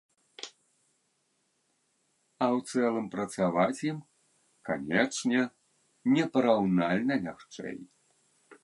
А ў цэлым працаваць ім, канечне, непараўнальна лягчэй.